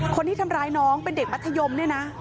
คนที่ทำร้ายน้องเป็นเด็กมัธยมเนี่ยนะ